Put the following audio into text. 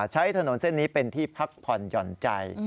ใช้ถนนเส้นนี้เป็นที่พักผ่อนหย่อนใจ